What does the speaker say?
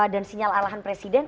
dan sinyal alahan presiden